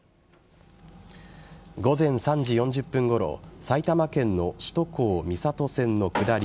午前３時４０分ごろ埼玉県の首都高三郷線の下り